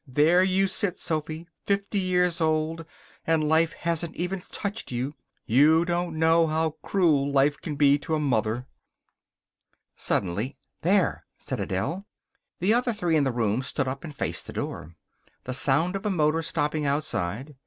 There you sit, Sophy, fifty years old, and life hasn't even touched you. You don't know how cruel life can be to a mother." Suddenly, "There!" said Adele. The other three in the room stood up and faced the door. The sound of a motor stopping outside.